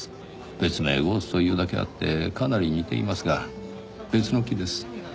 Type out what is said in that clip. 別名ゴースというだけあってかなり似ていますが別の木です。